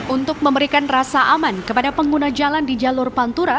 untuk memberikan rasa aman kepada pengguna jalan di jalur pantura